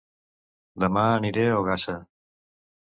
Dema aniré a Ogassa